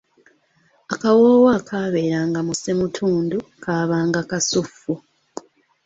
Akawoowo akaabeeranga mu ssemutundu kaabanga kasuffu.